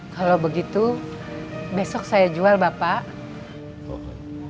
kalau begitu besok saya jual bapak